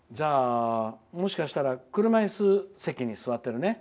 もしかしたら車いす席に座っているね。